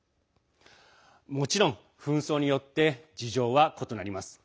もちろん紛争によって事情は異なります。